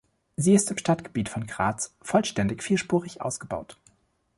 Sie ist im Stadtgebiet von Graz vollständig vierspurig ausgebaut.